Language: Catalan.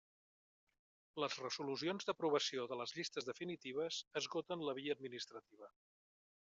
Les resolucions d'aprovació de les llistes definitives esgoten la via administrativa.